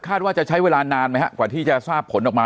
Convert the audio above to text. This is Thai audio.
ว่าจะใช้เวลานานไหมครับกว่าที่จะทราบผลออกมา